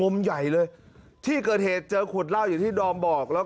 มีแก้วด้วยนะครับ